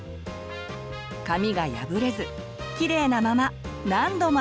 紙が破れずきれいなまま何度も遊べます。